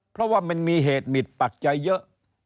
เพราะว่ามันมีเหตุหมิดปักใจเยอะ